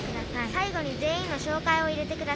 「さいごにぜんいんのしょうかいを入れてください」。